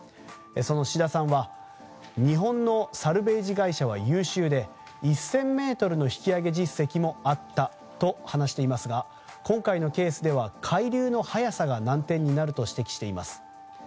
その信太さんは日本のサルベージ会社は優秀で１０００ｍの引き揚げ実績もあったと話していますが今回のケースでは海流の速さが難点になると指摘しています。